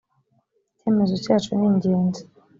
icyemezo cyacu ningenzi.